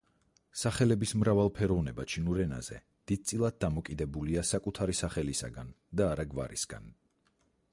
სახელების მრავალფეროვნება ჩინურ ენაზე დიდწილად დამოკიდებულია საკუთარი სახელისაგან და არა გვარისგან.